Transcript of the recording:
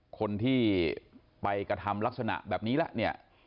คนที่ไปกระทำลักษณะแบบนี้แล้วเนี่ย